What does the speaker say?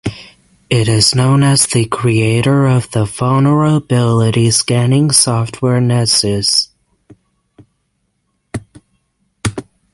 It is known as the creator of the vulnerability scanning software Nessus.